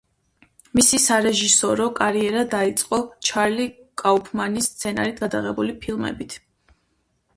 მისი სარეჟისორო კარიერა დაიწყო ჩარლი კაუფმანის სცენარით გადაღებული ფილმებით.